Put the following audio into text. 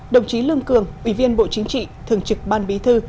đồng chí lương cường ủy viên bộ chính trị thường trực ban bí thư